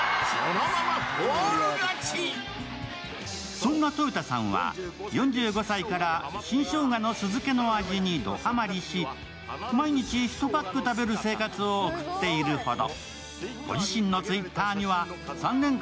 そんな豊田さんは４５歳から新生姜の酢漬けの味にドハマりし、毎日１パック食べる生活を送っているほど。